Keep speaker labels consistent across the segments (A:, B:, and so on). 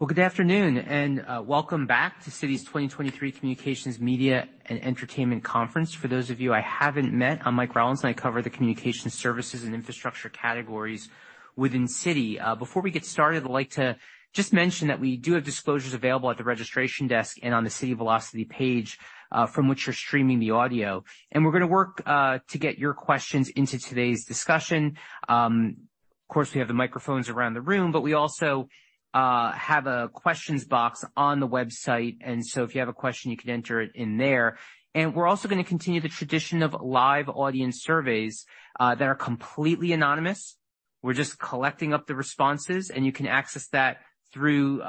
A: Well, good afternoon and welcome back to Citi's 2023 Communications, Media and Entertainment Conference. For those of you I haven't met, I'm Mike Rollins, and I cover the communication services and infrastructure categories within Citi. Before we get started, I'd like to just mention that we do have disclosures available at the registration desk and on the Citi Velocity page, from which you're streaming the audio. We're gonna work to get your questions into today's discussion. Of course, we have the microphones around the room, but we also have a questions box on the website. If you have a question, you can enter it in there. We're also gonna continue the tradition of live audience surveys that are completely anonymous. We're just collecting up the responses, and you can access that through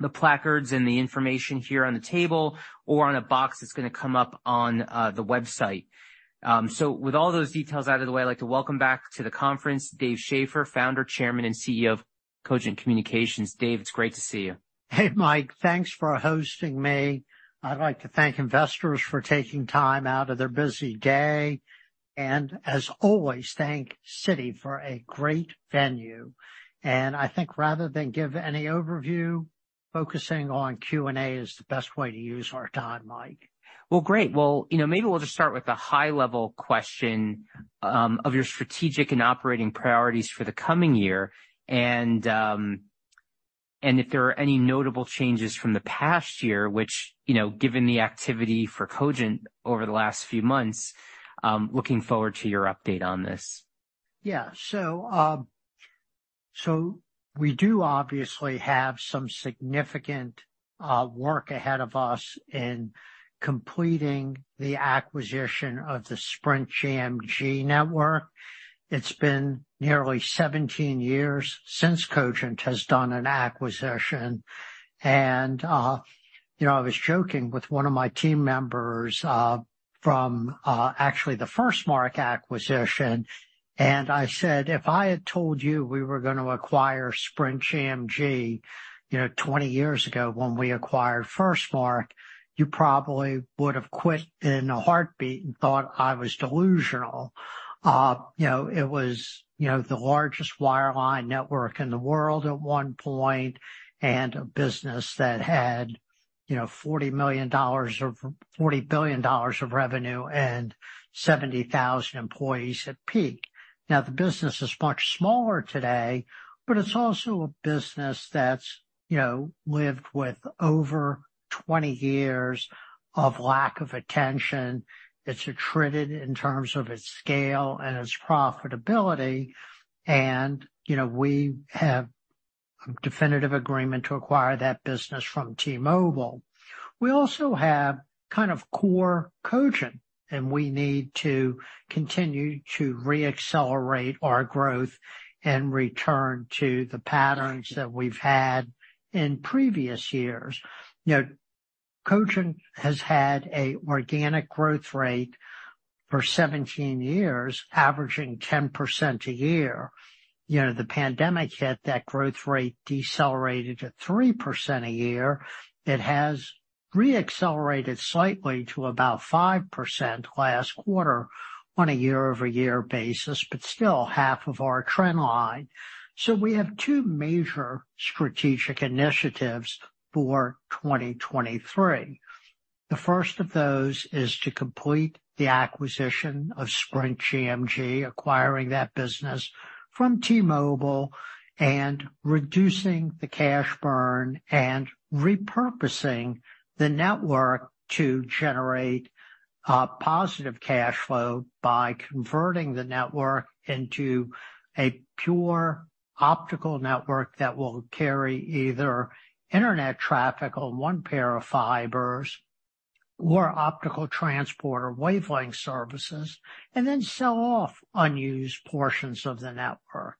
A: the placards and the information here on the table or on a box that's gonna come up on the website. With all those details out of the way, I'd like to welcome back to the conference Dave Schaeffer, Founder, Chairman, and CEO of Cogent Communications. Dave, it's great to see you.
B: Hey, Mike. Thanks for hosting me. I'd like to thank investors for taking time out of their busy day and as always, thank Citi for a great venue. I think rather than give any overview, focusing on Q&A is the best way to use our time, Mike.
A: Well, great. Well, you know, maybe we'll just start with a high level question, of your strategic and operating priorities for the coming year and if there are any notable changes from the past year which, you know, given the activity for Cogent over the last few months, looking forward to your update on this.
B: Yeah. So we do obviously have some significant work ahead of us in completing the acquisition of the Sprint GMG network. It's been nearly 17 years since Cogent has done an acquisition. You know, I was joking with one of my team members from actually the FirstMark acquisition, and I said, "If I had told you we were gonna acquire Sprint GMG, you know, 20 years ago when we acquired FirstMark, you probably would have quit in a heartbeat and thought I was delusional." You know, it was, you know, the largest wireline network in the world at one point, and a business that had, you know, $40 million or $40 billion of revenue and 70,000 employees at peak. The business is much smaller today, but it's also a business that's, you know, lived with over 20 years of lack of attention. It's attrited in terms of its scale and its profitability. We have a definitive agreement to acquire that business from T-Mobile. We also have kind of core Cogent, we need to continue to re-accelerate our growth and return to the patterns that we've had in previous years. You know, Cogent has had a organic growth rate for 17 years, averaging 10% a year. You know, the pandemic hit, that growth rate decelerated to 3% a year. It has re-accelerated slightly to about 5% last quarter on a year-over-year basis, but still half of our trend line. We have two major strategic initiatives for 2023. The first of those is to complete the acquisition of Sprint GMG, acquiring that business from T-Mobile, reducing the cash burn and repurposing the network to generate positive cash flow by converting the network into a pure optical network that will carry either Internet traffic on one pair of fibers or optical transporter wavelength services, sell off unused portions of the network.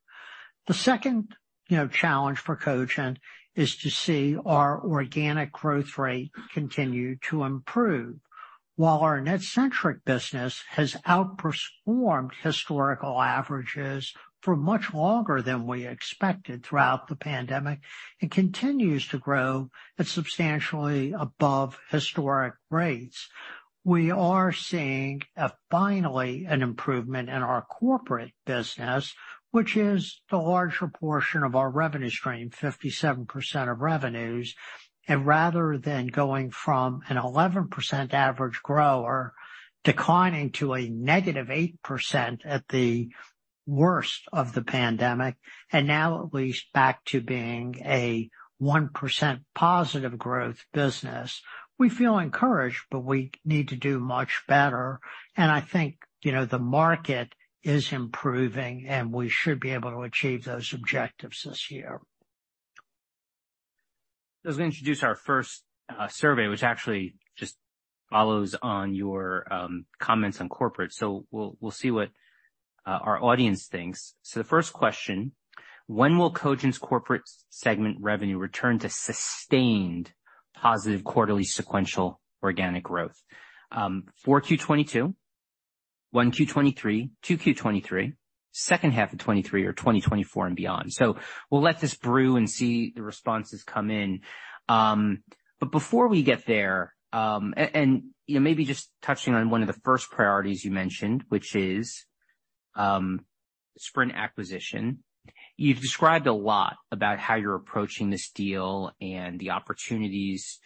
B: The second, you know, challenge for Cogent is to see our organic growth rate continue to improve. While our net-centric business has outperformed historical averages for much longer than we expected throughout the pandemic and continues to grow at substantially above historic rates, we are seeing finally an improvement in our corporate business, which is the larger portion of our revenue stream, 57% of revenues. Rather than going from an 11% average grower declining to a -8% at the worst of the pandemic, and now at least back to being a 1% positive growth business, we feel encouraged, but we need to do much better. I think, you know, the market is improving, and we should be able to achieve those objectives this year.
A: Just going to introduce our first survey, which actually just follows on your comments on corporate. We'll see what our audience thinks. The first question: When will Cogent's corporate segment revenue return to sustained positive quarterly sequential organic growth? For Q 2022, 1Q 2023, 2Q 2023, second half of 2023 or 2024 and beyond. We'll let this brew and see the responses come in. Before we get there, and, you know, maybe just touching on one of the first priorities you mentioned, which is Sprint acquisition. You've described a lot about how you're approaching this deal and the opportunities.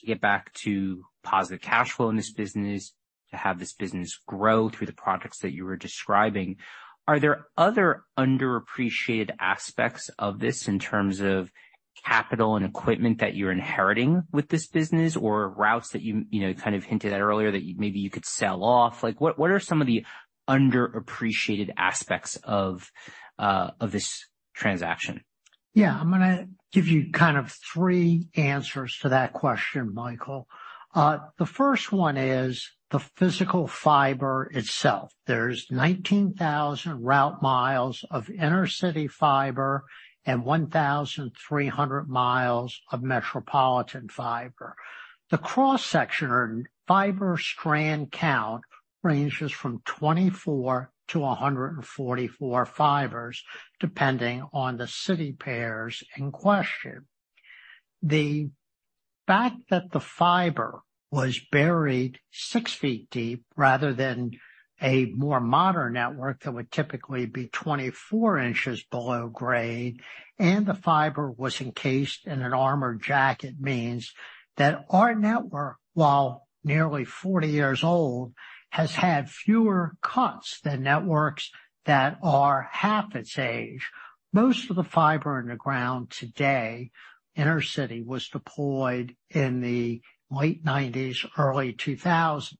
A: To get back to positive cash flow in this business, to have this business grow through the products that you were describing, are there other underappreciated aspects of this in terms of capital and equipment that you're inheriting with this business or routes that you know, kind of hinted at earlier that maybe you could sell off? Like, what are some of the underappreciated aspects of this transaction?
B: Yeah. I'm gonna give you kind of three answers to that question, Michael. The first one is the physical fiber itself. There's 19,000 route mi of inner city fiber and 1,300 mi of metropolitan fiber. The cross-section or fiber strand count ranges from 24 to 144 fibers, depending on the city pairs in question. The fact that the fiber was buried 6 ft deep rather than a more modern network that would typically be 24 in below grade, and the fiber was encased in an armored jacket, means that our network, while nearly 40 years old, has had fewer cuts than networks that are half its age. Most of the fiber in the ground today, inner city, was deployed in the late 1990s, early 2000s.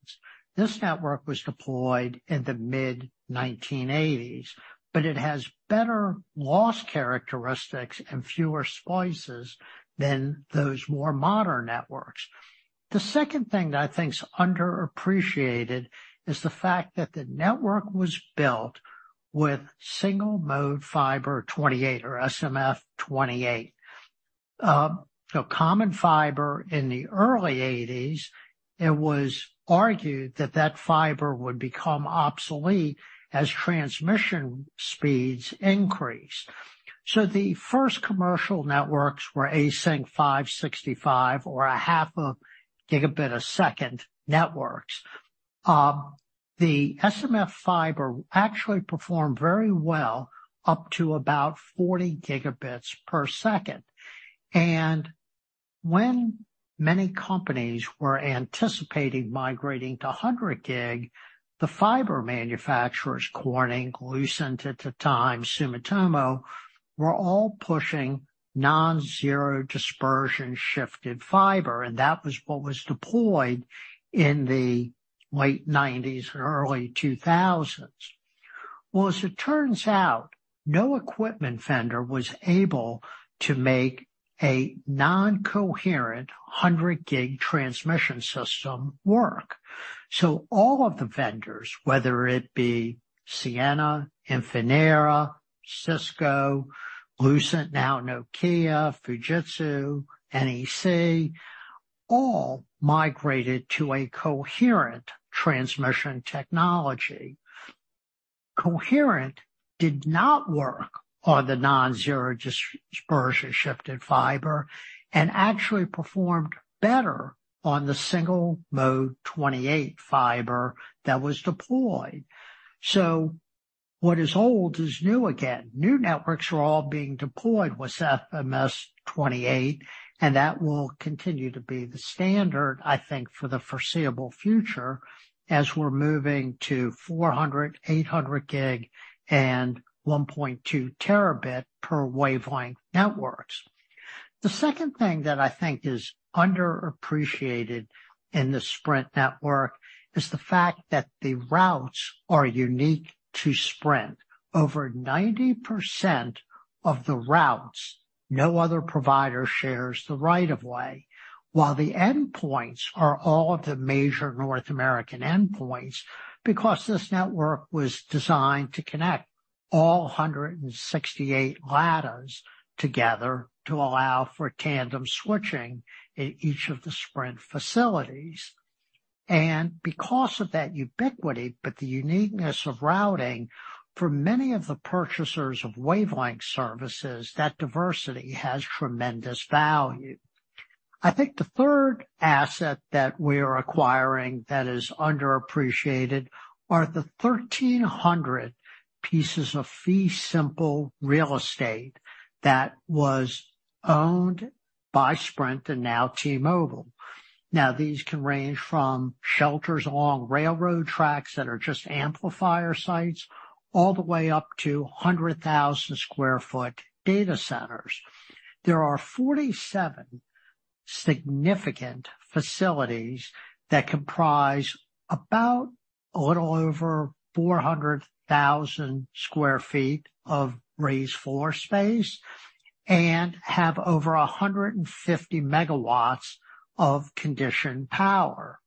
B: This network was deployed in the mid-1980s, it has better loss characteristics and fewer splices than those more modern networks. The second thing that I think is underappreciated is the fact that the network was built with single-mode fiber 28 or SMF-28. Common fiber in the early 1980s, it was argued that that fiber would become obsolete as transmission speeds increased. The first commercial networks were Async 565 or a 0.5 Gbps networks. The SMF fiber actually performed very well up to about 40 Gbps. When many companies were anticipating migrating to 100 gig, the fiber manufacturers, Corning, Lucent at the time, Sumitomo, were all pushing non-zero dispersion-shifted fiber, and that was what was deployed in the late 1990s and early 2000s. As it turns out, no equipment vendor was able to make a non-coherent 100 gig transmission system work. All of the vendors, whether it be Ciena, Infinera, Cisco, Lucent, now Nokia, Fujitsu, NEC, all migrated to a coherent transmission technology. Coherent did not work on the non-zero dispersion-shifted fiber and actually performed better on the single-mode 28 fiber that was deployed. What is old is new again. New networks are all being deployed with SMF-28, and that will continue to be the standard, I think, for the foreseeable future as we're moving to 400, 800 gig and 1.2 Tb per wavelength networks. The second thing that I think is underappreciated in the Sprint network is the fact that the routes are unique to Sprint. Over 90% of the routes, no other provider shares the right of way. While the endpoints are all the major North American endpoints, because this network was designed to connect all 168 LATAs together to allow for tandem switching in each of the Sprint facilities. Because of that ubiquity, but the uniqueness of routing for many of the purchasers of wavelength services, that diversity has tremendous value. I think the third asset that we are acquiring that is underappreciated are the 1,300 pieces of fee simple real estate that was owned by Sprint and now T-Mobile. Now, these can range from shelters along railroad tracks that are just amplifier sites all the way up to 100,000 sq ft data centers. There are 47 significant facilities that comprise about a little over 400,000 sq ft of raised floor space and have over 150 MW of conditioned power.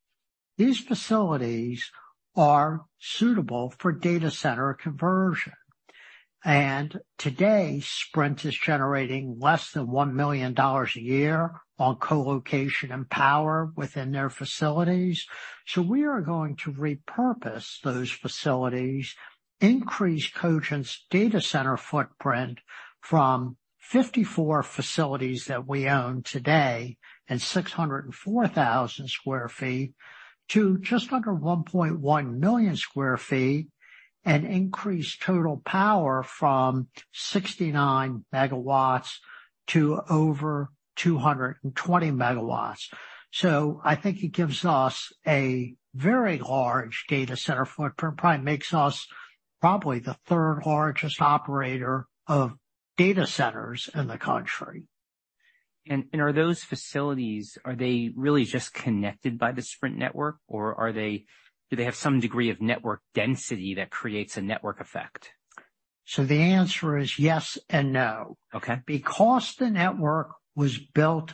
B: These facilities are suitable for data center conversion. Today, Sprint is generating less than $1 million a year on colocation and power within their facilities. We are going to repurpose those facilities, increase Cogent's data center footprint from 54 facilities that we own today and 604,000 sq ft to just under 1.1 million sq ft and increase total power from 69 MW to over 220 MW. I think it gives us a very large data center footprint, probably makes us probably the third largest operator of data centers in the country.
A: Are those facilities, do they really just connected by the Sprint network or do they have some degree of network density that creates a network effect?
B: The answer is yes and no.
A: Okay.
B: The network was built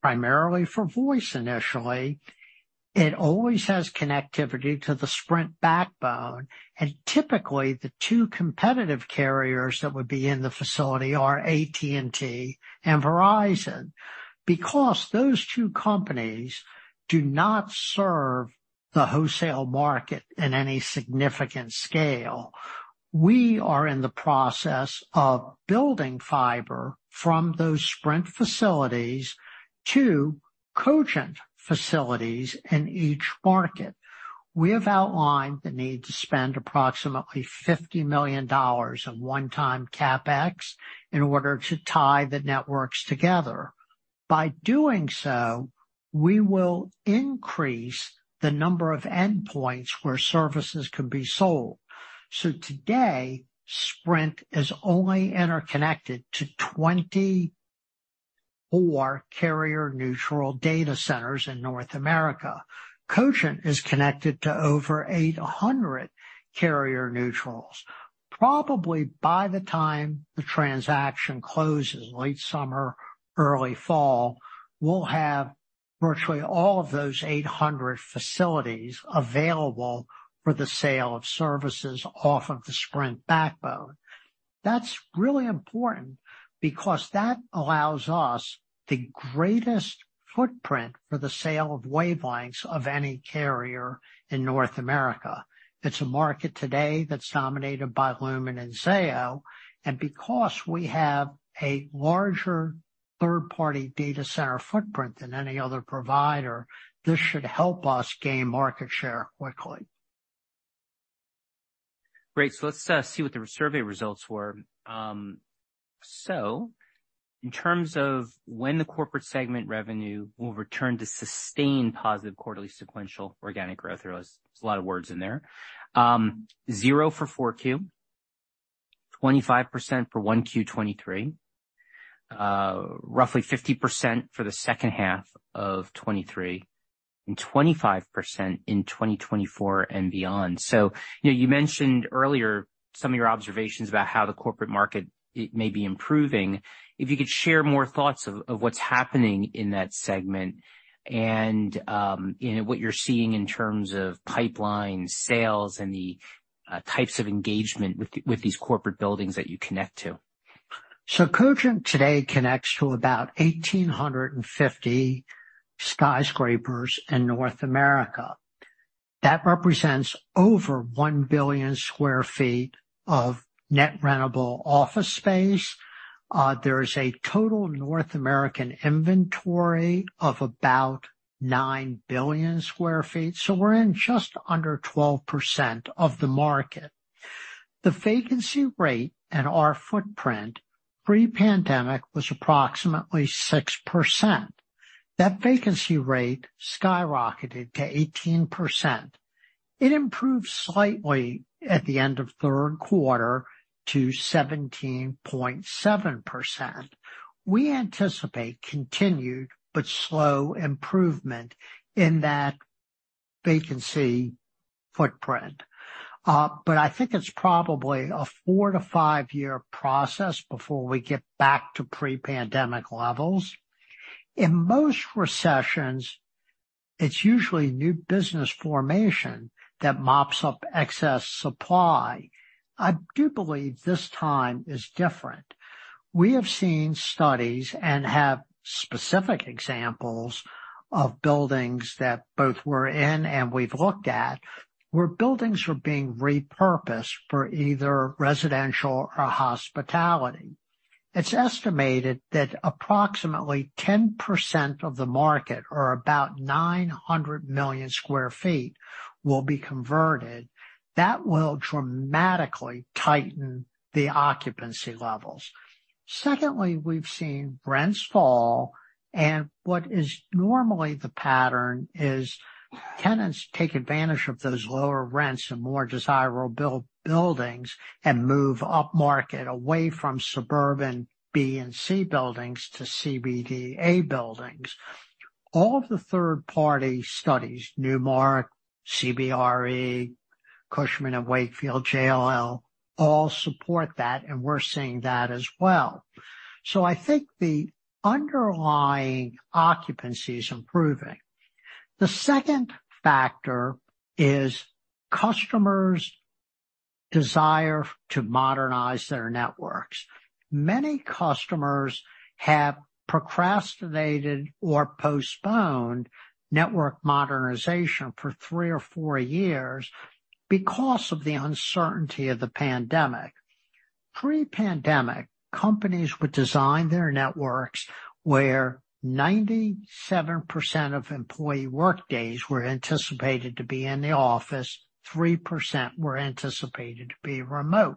B: primarily for voice initially, it always has connectivity to the Sprint backbone, and typically the two competitive carriers that would be in the facility are AT&T and Verizon. Those two companies do not serve the wholesale market in any significant scale, we are in the process of building fiber from those Sprint facilities to Cogent facilities in each market. We have outlined the need to spend approximately $50 million of one-time CapEx in order to tie the networks together. By doing so, we will increase the number of endpoints where services can be sold. Today, Sprint is only interconnected to 24 carrier-neutral data centers in North America. Cogent is connected to over 800 carrier-neutrals. Probably by the time the transaction closes, late summer, early fall, we'll have virtually all of those 800 facilities available for the sale of services off of the Sprint backbone. That's really important because that allows us the greatest footprint for the sale of wavelengths of any carrier in North America. Because we have a larger third-party data center footprint than any other provider, this should help us gain market share quickly.
A: Great. Let's see what the survey results were. In terms of when the corporate segment revenue will return to sustained positive quarterly sequential organic growth rates. There's a lot of words in there. 0 for 4Q, 25% for 1Q 2023, roughly 50% for the second half of 2023, and 25% in 2024 and beyond. You know, you mentioned earlier some of your observations about how the corporate market, it may be improving. If you could share more thoughts of what's happening in that segment and, you know, what you're seeing in terms of pipeline sales and the types of engagement with these corporate buildings that you connect to.
B: Cogent today connects to about 1,850 skyscrapers in North America. That represents over 1 billion sq ft of net rentable office space. There is a total North American inventory of about 9 billion sq ft. We're in just under 12% of the market. The vacancy rate at our footprint pre-pandemic was approximately 6%. That vacancy rate skyrocketed to 18%. It improved slightly at the end of 3rd quarter to 17.7%. We anticipate continued but slow improvement in that vacancy footprint. But I think it's probably a 4-5-year process before we get back to pre-pandemic levels. In most recessions, it's usually new business formation that mops up excess supply. I do believe this time is different. We have seen studies and have specific examples of buildings that both we're in and we've looked at, where buildings were being repurposed for either residential or hospitality. It's estimated that approximately 10% of the market, or about 900 million sq ft, will be converted. That will dramatically tighten the occupancy levels. Secondly, we've seen rents fall, what is normally the pattern is tenants take advantage of those lower rents and more desirable buildings and move upmarket, away from suburban B and C buildings to CBD A buildings. All of the third-party studies, Newmark, CBRE, Cushman & Wakefield, JLL, all support that, we're seeing that as well. I think the underlying occupancy is improving. The second factor is customers' desire to modernize their networks. Many customers have procrastinated or postponed network modernization for 3 or 4 years because of the uncertainty of the pandemic. Pre-pandemic, companies would design their networks where 97% of employee workdays were anticipated to be in the office, 3% were anticipated to be remote.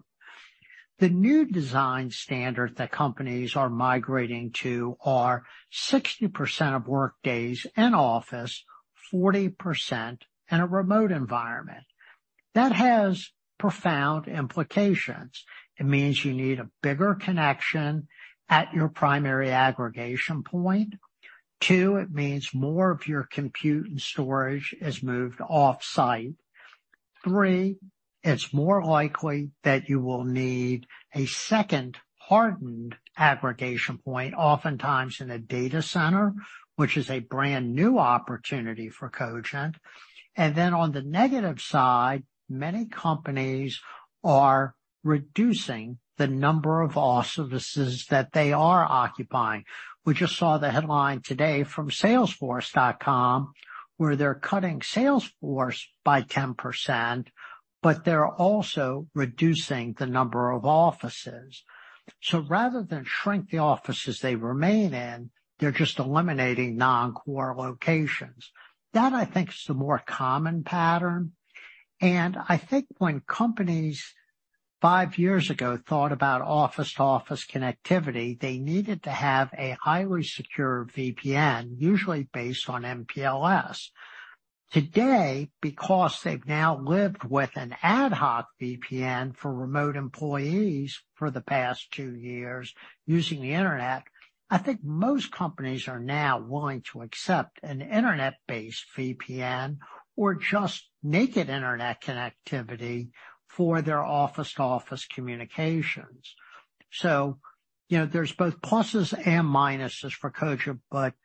B: The new design standard that companies are migrating to are 60% of workdays in office, 40% in a remote environment. That has profound implications. It means you need a bigger connection at your primary aggregation point. Two, it means more of your compute and storage is moved off-site. Three, it's more likely that you will need a second hardened aggregation point, oftentimes in a data center, which is a brand-new opportunity for Cogent. On the negative side, many companies are reducing the number of offices that they are occupying. We just saw the headline today from Salesforce.com where they're cutting sales force by 10%, but they're also reducing the number of offices. Rather than shrink the offices they remain in, they're just eliminating non-core locations. That, I think, is the more common pattern. I think when companies 5 years ago thought about office-to-office connectivity, they needed to have a highly secure VPN, usually based on MPLS. Today, because they've now lived with an ad hoc VPN for remote employees for the past 2 years using the Internet, I think most companies are now willing to accept an internet-based VPN or just naked internet connectivity for their office-to-office communications. You know, there's both pluses and minuses for Cogent, but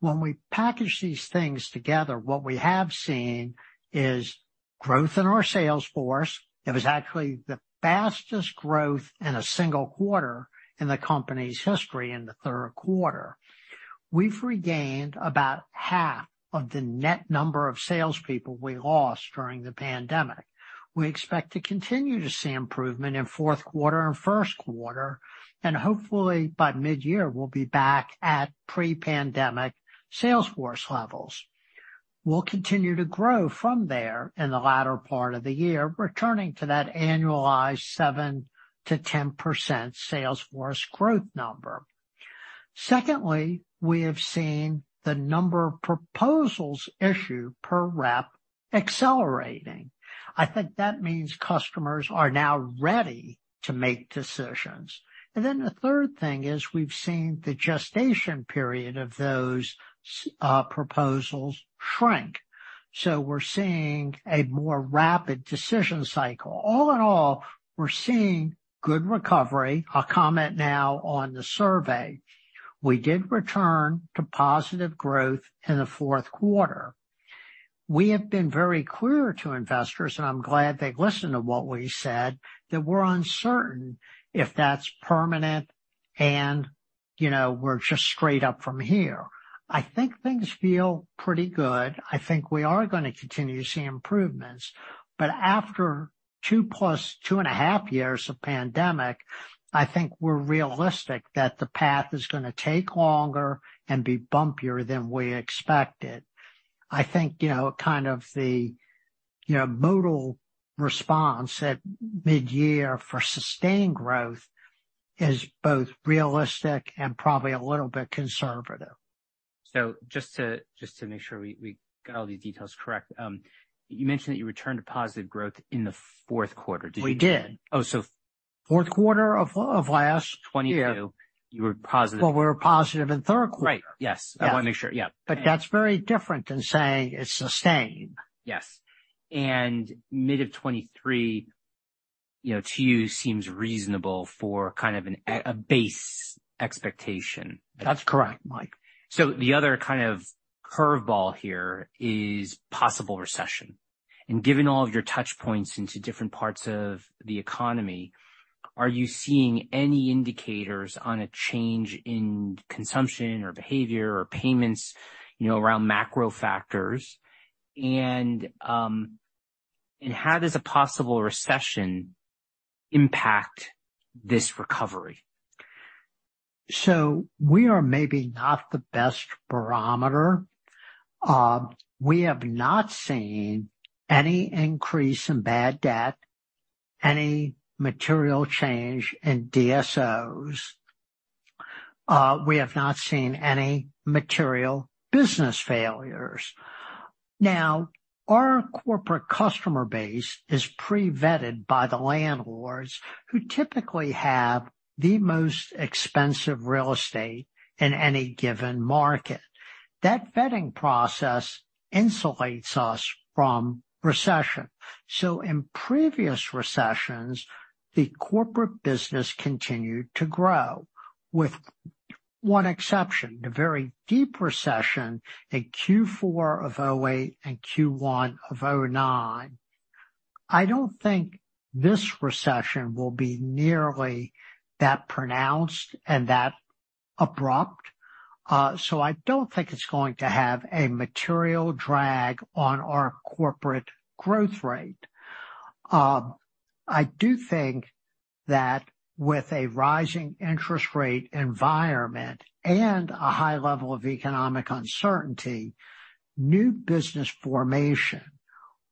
B: when we package these things together, what we have seen is growth in our sales force. It was actually the fastest growth in a single quarter in the company's history in the third quarter. We've regained about half of the net number of salespeople we lost during the pandemic. We expect to continue to see improvement in fourth quarter and first quarter. Hopefully by mid-year, we'll be back at pre-pandemic sales force levels. We'll continue to grow from there in the latter part of the year, returning to that annualized 7%-10% sales force growth number. Secondly, we have seen the number of proposals issued per rep accelerating. I think that means customers are now ready to make decisions. The third thing is we've seen the gestation period of those proposals shrink. We're seeing a more rapid decision cycle. All in all, we're seeing good recovery. I'll comment now on the survey. We did return to positive growth in the fourth quarter. We have been very clear to investors, and I'm glad they listened to what we said, that we're uncertain if that's permanent and, you know, we're just straight up from here. I think things feel pretty good. I think we are going to continue to see improvements. After 2 and a half years of pandemic, I think we're realistic that the path is going to take longer and be bumpier than we expected. I think, you know, kind of the, you know, modal response at mid-year for sustained growth is both realistic and probably a little bit conservative.
A: Just to make sure we got all these details correct. You mentioned that you returned to positive growth in the fourth quarter?
B: We did.
A: Oh,
B: Fourth quarter of last year.
A: 2022, you were positive.
B: Well, we were positive in third quarter.
A: Right. Yes.
B: Yes.
A: I want to make sure. Yeah.
B: That's very different than saying it's sustained.
A: Yes. Mid of 2023, you know, to you, seems reasonable for kind of a base expectation.
B: That's correct, Mike.
A: The other kind of curveball here is possible recession. Given all of your touch points into different parts of the economy, are you seeing any indicators on a change in consumption or behavior or payments, you know, around macro factors? How does a possible recession impact this recovery?
B: We are maybe not the best barometer. We have not seen any increase in bad debt, any material change in DSO. We have not seen any material business failures. Our corporate customer base is pre-vetted by the landlords who typically have the most expensive real estate in any given market. That vetting process insulates us from recession. In previous recessions, the corporate business continued to grow, with one exception, the very deep recession in Q4 of 2008 and Q1 of 2009. I don't think this recession will be nearly that pronounced and that abrupt, so I don't think it's going to have a material drag on our corporate growth rate. I do think that with a rising interest rate environment and a high level of economic uncertainty, new business formation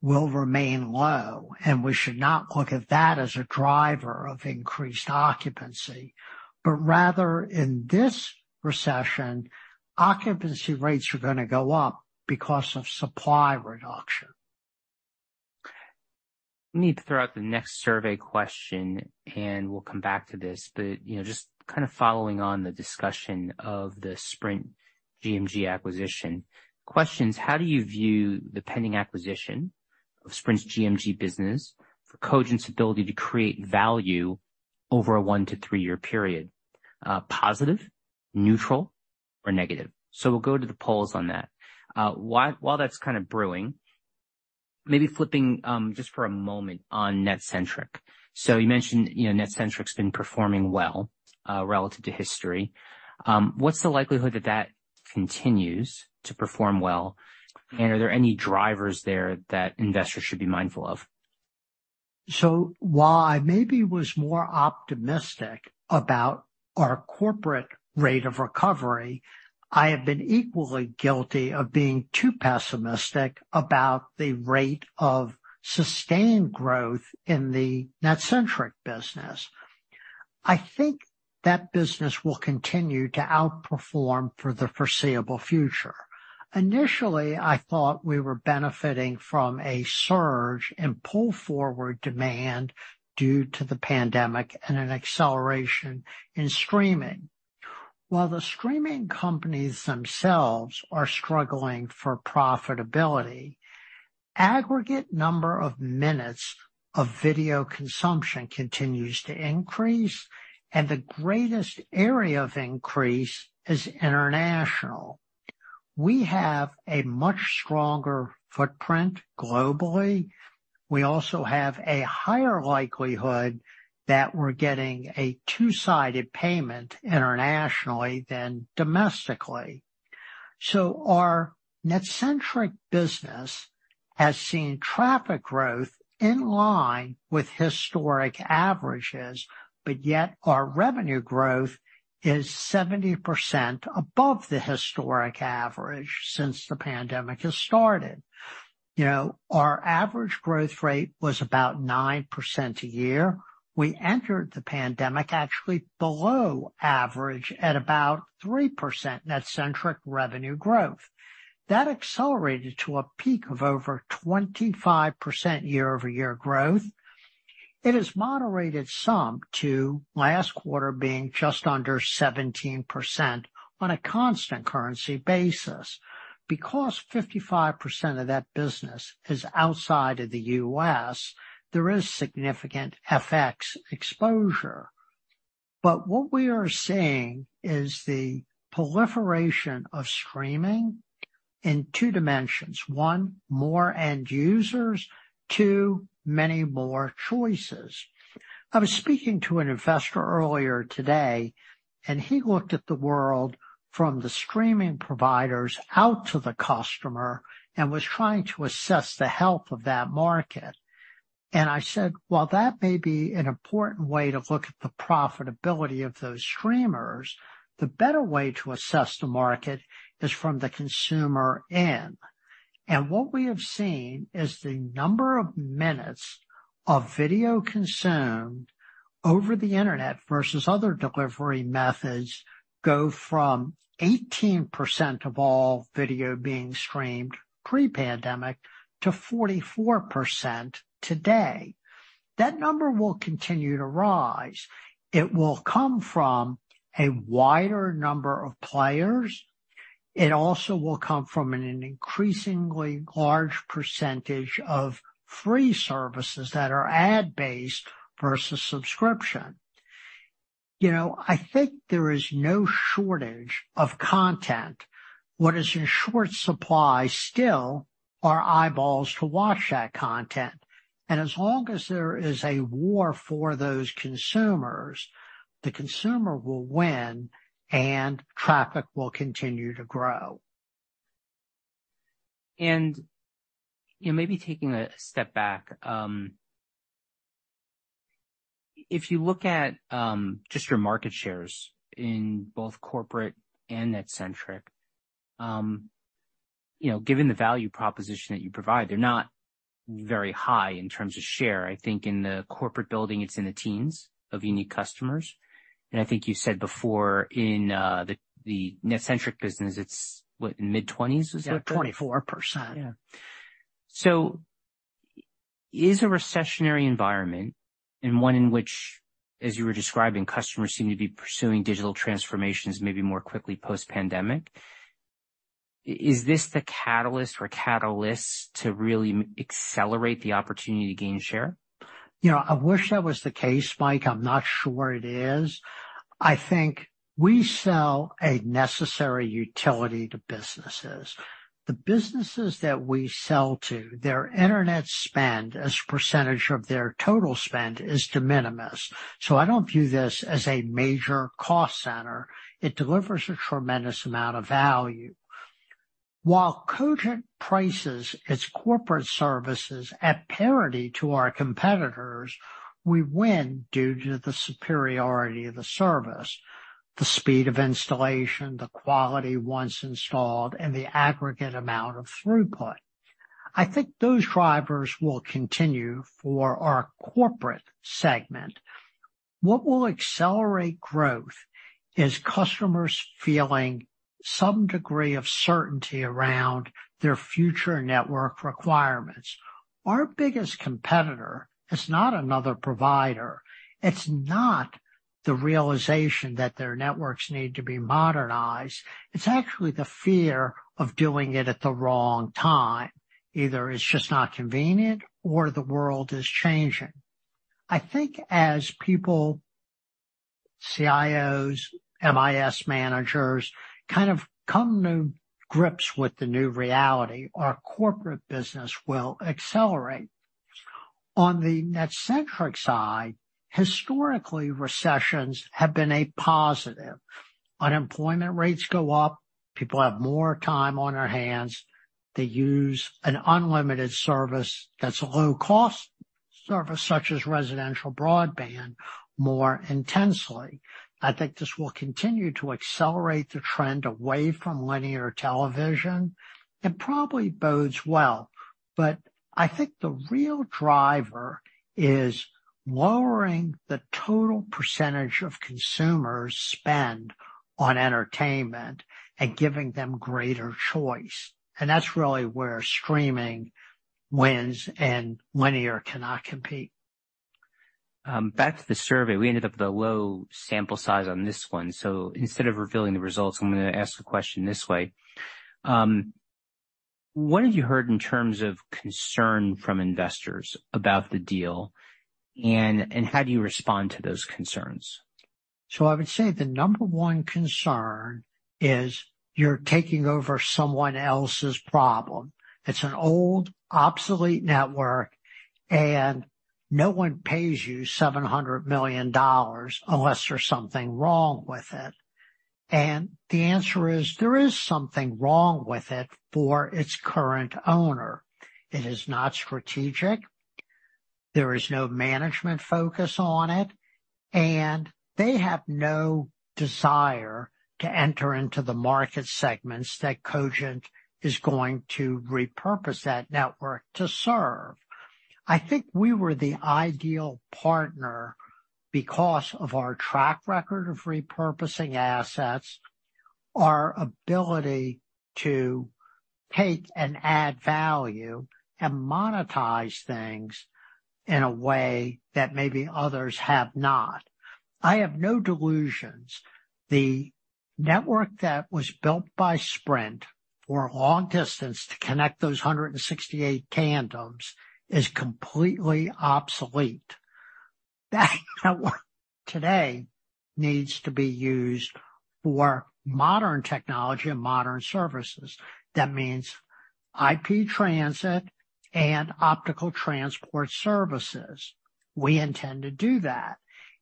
B: will remain low, and we should not look at that as a driver of increased occupancy. Rather, in this recession, occupancy rates are going to go up because of supply reduction.
A: Need to throw out the next survey question, we'll come back to this. You know, just kind of following on the discussion of the Sprint GMG acquisition. Question is, how do you view the pending acquisition of Sprint's GMG business for Cogent's ability to create value over a 1- to 3-year period? Positive, neutral or negative? We'll go to the polls on that. While that's kind of brewing, maybe flipping, just for a moment on net-centric. You mentioned, you know, net-centric's been performing well, relative to history. What's the likelihood that that continues to perform well, and are there any drivers there that investors should be mindful of?
B: While I maybe was more optimistic about our corporate rate of recovery, I have been equally guilty of being too pessimistic about the rate of sustained growth in the net-centric business. I think that business will continue to outperform for the foreseeable future. Initially, I thought we were benefiting from a surge in pull forward demand due to the pandemic and an acceleration in streaming. While the streaming companies themselves are struggling for profitability, aggregate number of minutes of video consumption continues to increase, and the greatest area of increase is international. We have a much stronger footprint globally. We also have a higher likelihood that we're getting a two-sided payment internationally than domestically. Our net-centric business has seen traffic growth in line with historic averages, but yet our revenue growth is 70% above the historic average since the pandemic has started. You know, our average growth rate was about 9% a year. We entered the pandemic actually below average at about 3% net-centric revenue growth. That accelerated to a peak of over 25% year-over-year growth. It has moderated some to last quarter being just under 17% on a constant currency basis. Because 55% of that business is outside of the U.S., there is significant FX exposure. What we are seeing is the proliferation of streaming in 2 dimensions. 1, more end users. 2, many more choices. I was speaking to an investor earlier today, and he looked at the world from the streaming providers out to the customer and was trying to assess the health of that market. I said, "While that may be an important way to look at the profitability of those streamers, the better way to assess the market is from the consumer in." What we have seen is the number of minutes of video consumed over the internet versus other delivery methods go from 18% of all video being streamed pre-pandemic to 44% today. That number will continue to rise. It will come from a wider number of players. It also will come from an increasingly large percentage of free services that are ad-based versus subscription. You know, I think there is no shortage of content. What is in short supply still are eyeballs to watch that content. As long as there is a war for those consumers, the consumer will win and traffic will continue to grow.
A: You know, maybe taking a step back, if you look at just your market shares in both corporate and net-centric, you know, given the value proposition that you provide, they're not very high in terms of share. I think in the corporate building, it's in the teens of unique customers. I think you said before in the net-centric business it's, what, mid-twenties was that?
B: 24%.
A: Yeah. Is a recessionary environment and one in which, as you were describing, customers seem to be pursuing digital transformations maybe more quickly post-pandemic. Is this the catalyst or catalysts to really accelerate the opportunity to gain share?
B: You know, I wish that was the case, Mike. I'm not sure it is. I think we sell a necessary utility to businesses. The businesses that we sell to, their internet spend as a percentage of their total spend is de minimis. I don't view this as a major cost center. It delivers a tremendous amount of value. While Cogent prices its corporate services at parity to our competitors, we win due to the superiority of the service. The speed of installation, the quality once installed, and the aggregate amount of throughput. I think those drivers will continue for our corporate segment. What will accelerate growth is customers feeling some degree of certainty around their future network requirements. Our biggest competitor is not another provider. It's not the realization that their networks need to be modernized. It's actually the fear of doing it at the wrong time. Either it's just not convenient or the world is changing. I think as people, CIOs, MIS managers, kind of come to grips with the new reality, our corporate business will accelerate. On the net-centric side, historically, recessions have been a positive. Unemployment rates go up, people have more time on their hands. They use an unlimited service that's a low cost service, such as residential broadband, more intensely. I think this will continue to accelerate the trend away from linear television and probably bodes well. I think the real driver is lowering the total percentage of consumers' spend on entertainment and giving them greater choice. That's really where streaming wins and linear cannot compete.
A: Back to the survey. We ended up with a low sample size on this one, so instead of revealing the results, I'm gonna ask the question this way. What have you heard in terms of concern from investors about the deal? How do you respond to those concerns?
B: I would say the number one concern is you're taking over someone else's problem. It's an old, obsolete network, and no one pays you $700 million unless there's something wrong with it. The answer is, there is something wrong with it for its current owner. It is not strategic, there is no management focus on it, and they have no desire to enter into the market segments that Cogent is going to repurpose that network to serve. I think we were the ideal partner because of our track record of repurposing assets, our ability to take and add value and monetize things in a way that maybe others have not. I have no delusions. The network that was built by Sprint for long distance to connect those 168 tandems is completely obsolete. That network today needs to be used for modern technology and modern services. That means IP transit and optical transport services. We intend to do that.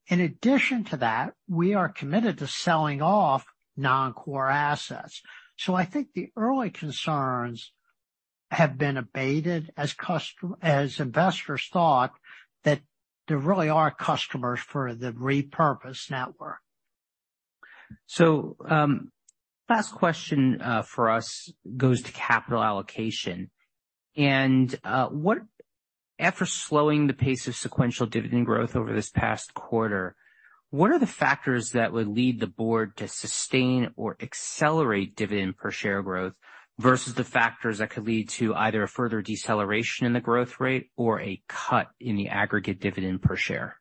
B: In addition to that, we are committed to selling off non-core assets. I think the early concerns have been abated as investors thought that there really are customers for the repurposed network.
A: Last question for us goes to capital allocation. After slowing the pace of sequential dividend growth over this past quarter, what are the factors that would lead the board to sustain or accelerate dividend per share growth versus the factors that could lead to either a further deceleration in the growth rate or a cut in the aggregate dividend per share?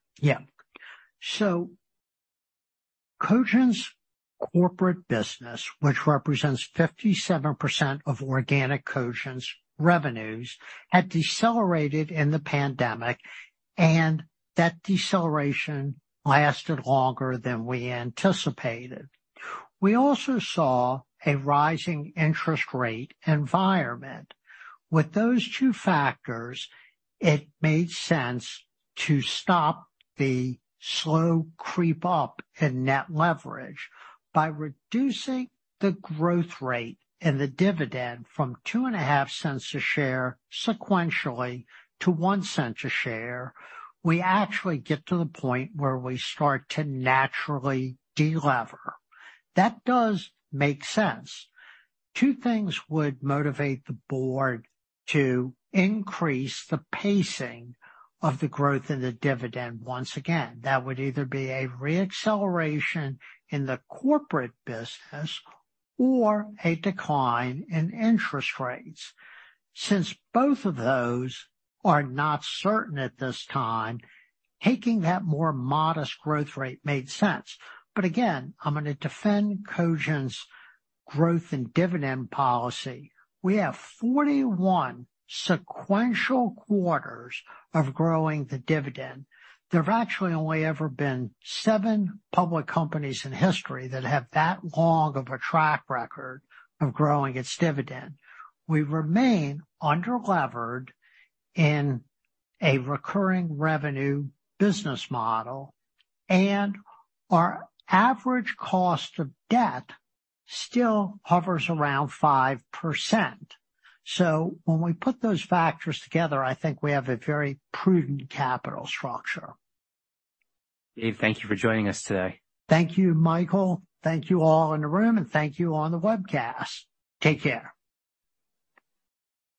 B: Cogent's corporate business, which represents 57% of organic Cogent's revenues, had decelerated in the pandemic, and that deceleration lasted longer than we anticipated. We also saw a rising interest rate environment. With those two factors, it made sense to stop the slow creep up in net leverage. By reducing the growth rate and the dividend from $0.025 a share sequentially to $0.01 a share, we actually get to the point where we start to naturally de-lever. That does make sense. Two things would motivate the board to increase the pacing of the growth in the dividend once again. That would either be a re-acceleration in the corporate business or a decline in interest rates. Since both of those are not certain at this time, taking that more modest growth rate made sense. Again, I'm gonna defend Cogent's growth and dividend policy. We have 41 sequential quarters of growing the dividend. There have actually only ever been 7 public companies in history that have that long of a track record of growing its dividend. We remain under-levered in a recurring revenue business model, and our average cost of debt still hovers around 5%. When we put those factors together, I think we have a very prudent capital structure.
A: Dave, thank you for joining us today.
B: Thank you, Michael. Thank you all in the room. Thank you on the webcast. Take care.